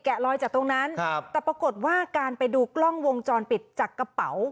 ลอยจากตรงนั้นครับแต่ปรากฏว่าการไปดูกล้องวงจรปิดจากกระเป๋า